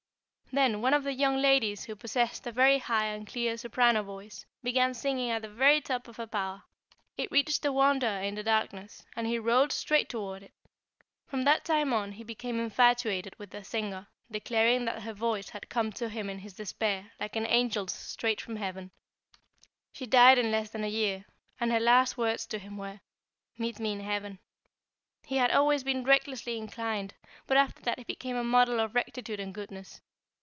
Then one of the young ladies who possessed a very high and clear soprano voice, began singing at the very top of her power. It reached the wanderer in the darkness, and he rowed straight toward it. From that time on he became infatuated with the singer, declaring that her voice had come to him in his despair like an angel's straight from heaven. "She died in less than a year, and her last words to him were: 'Meet me in heaven.' He had always been recklessly inclined, but after that he became a model of rectitude and goodness.